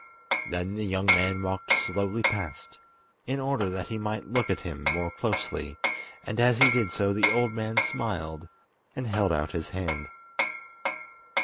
Then the young man walked slowly past, in order that he might look at him more closely, and as he did so the old man smiled, and held out his hand.